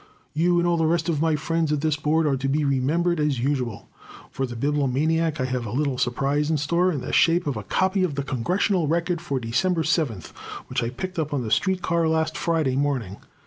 You and all the rest of my friends at this board are to be remembered as usual. For the Bibliomaniac I have a little surprise in store in the shape of a copy of the Congressional Record for December 7th which I picked up on a street car last Friday morning.